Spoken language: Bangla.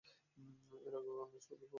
এর আগেও না, পরেও না।